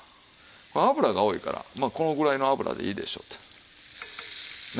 まあ脂が多いからまあこのぐらいの油でいいでしょうと。ね？